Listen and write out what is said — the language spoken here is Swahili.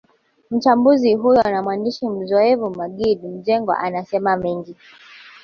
Mchambuzi huyo na mwandishi mzoefu Maggid Mjengwa anasema mengi